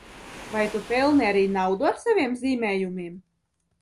Vai tu pelni arī naudu ar saviem zīmējumiem?